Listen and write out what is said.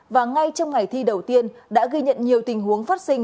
và ngay trong ngày thi đầu tiên đã ghi nhận nhiều tình huống phát sinh